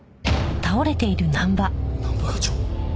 難波課長？